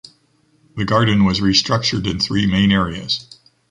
The garden was restructured in three main areas.